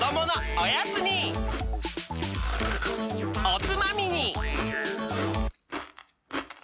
おつまみに！